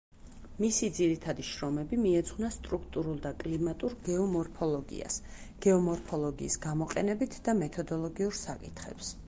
მისი ძირითადი შრომები მიეძღვნა სტრუქტურულ და კლიმატურ გეომორფოლოგიას, გეომორფოლოგიის გამოყენებით და მეთოდოლოგიურ საკითხებს.